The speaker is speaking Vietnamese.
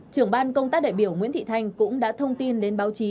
trưởng ban công tác đại biểu nguyễn thị thanh cũng đã thông tin đến báo chí